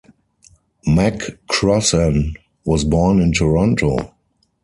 McCrossan was born in Toronto.